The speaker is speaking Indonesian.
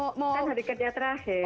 kan hari kerja terakhir